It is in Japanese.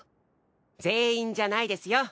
全員じゃないですよ。